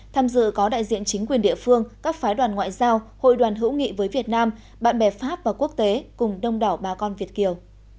tham dự có đại diện chính quyền địa phương các phái đoàn ngoại giao hội đoàn hữu nghị với việt nam bạn bè pháp và quốc tế cùng đông đảo bà con việt kiều